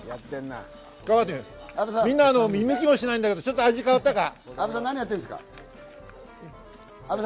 みんな見向きもしないんだけど、味変わったか？